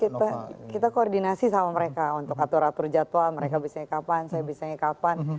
kan kita koordinasi sama mereka untuk atur atur jadwal mereka bisa ikapan saya bisa ikapan